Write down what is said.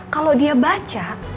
kalo dia baca